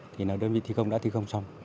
thì đơn vị thi công đã thi công xong